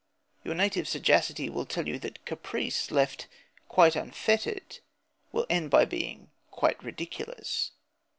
Your native sagacity will tell you that caprice, left quite unfettered, will end by being quite ridiculous.